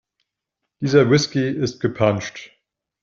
Dieser Whisky ist gepanscht.